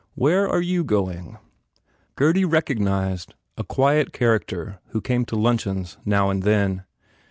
"Where are you going?" Gurdy recognized a quiet character who came to luncheons now and then.